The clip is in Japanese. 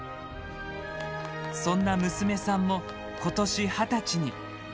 そんな娘さんも今年２０歳に。